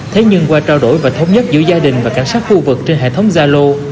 thế nhưng qua trao đổi và thống nhất giữa gia đình và cảnh sát khu vực trên hệ thống zalo